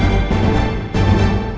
masih ada yang nunggu